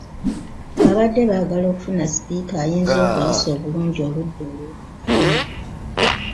Baabadde baagala okufuna sipiika ayinza okuyisa obulungi oludda oluvuganya .